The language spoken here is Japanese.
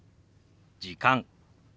「時間」。